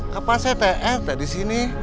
kapan saya teng rt disini